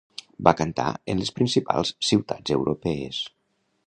Va cantar en les principals ciutats europees.